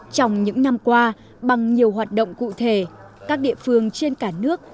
trong những năm qua bằng nhiều hoạt động cụ thể các địa phương trên cả nước